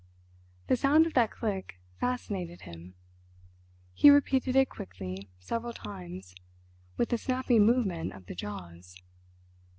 The sound of that click fascinated him; he repeated it quickly several times, with a snapping movement of the jaws.